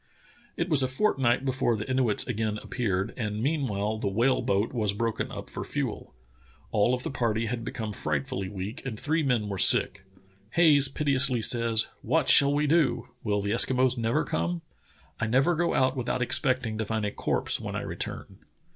It was a fortnight before the Inuits again appeared, and meanwhile the whale boat was broken up for fuel. All of the party had become frightfully weak and three men v/ere sick. Haj^es piteously says: "What shall we do? Will the Eskimos never come? I never go out without expecting to find a corpse when I return."